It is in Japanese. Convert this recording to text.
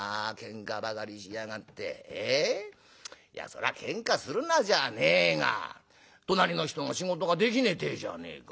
そりゃケンカするなじゃねえが隣の人が仕事ができねえってえじゃねえか。